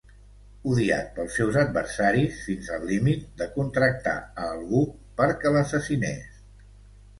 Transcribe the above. Odiat pels seus adversaris fins al límit de contractar a algú perquè l'assassinés.